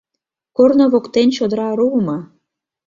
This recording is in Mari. Корно воктен чодыра руымо.